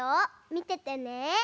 みててね。